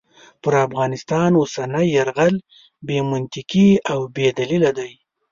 پر افغانستان اوسنی یرغل بې منطقې او بې دلیله دی.